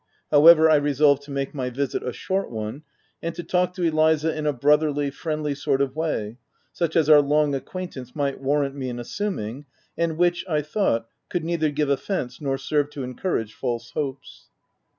However, I resolved to make my visit a short one, and to talk to Eliza in a brotherly, friendly sort of way, such as our long acquaintance might warrant me in assuming, and which, I thought, could neither give offence nor serve to encourage fabe hopes.